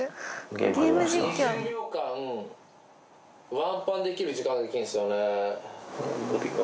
ワンパンできる時間できるんですよね。